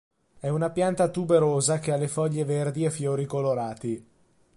È una pianta tuberosa che ha le foglie verdi e fiori colorati.